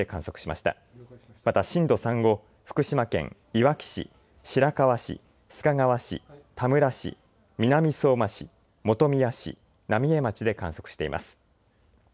また震度３を福島県いわき市、白河市、須賀川市、田村市、南相馬市、本宮市、浪江町で観測しています。